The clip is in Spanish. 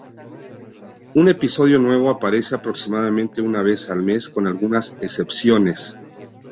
Un episodio nuevo aparece aproximadamente una vez al mes con algunas excepciones.